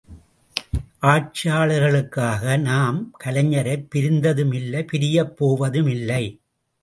ஆட்சியாளர்களுக்காக நாம் கலைஞரைப் பிரிந்ததும் இல்லை பிரியப் போவதும் இல்லை!